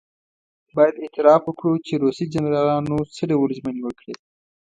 باید اعتراف وکړو چې روسي جنرالانو څه ډول ژمنې وکړې.